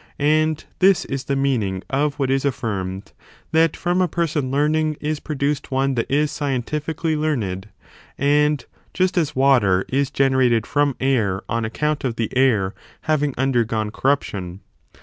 And this is the meaning of what is ad£rmed, — ^that from a person learning is produced one that is scientifically learned; and just as water is generated from air on account of the air having undergone corruption.